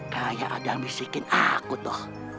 kayak ada yang bisikin aku tuh